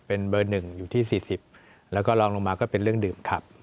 เป็นเบอร์๑อยู่ที่๔๐แล้วก็ลองลงมาก็เป็นเรื่องดื่มขับ